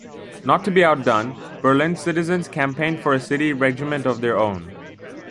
Not to be outdone, Berlin's citizens campaigned for a city regiment of their own.